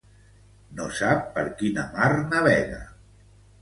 No sap per quina mar navega.